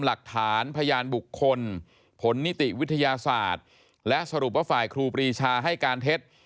หลักฐานพยานบุคคลผลนิติวิทยาศาสตร์และสรุปว่าฝ่ายครูปรีชาให้การเท็จ